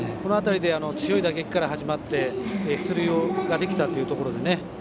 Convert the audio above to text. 強い打撃から始まって出塁ができたというところで。